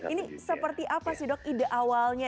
ini seperti apa sih dok ide awalnya